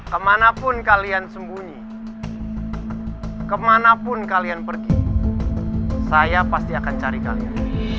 kemanapun kalian sembunyi kemanapun kalian pergi saya pasti akan cari kalian